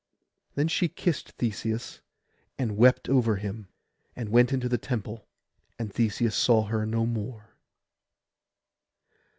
Then she kissed Theseus, and wept over him; and went into the temple, and Theseus saw her no more.